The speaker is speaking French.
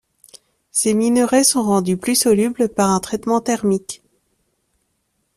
Ces minerais sont rendus plus solubles par un traitement thermique.